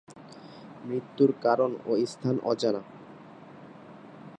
মৃত্যুর কারণ ও স্থান অজানা।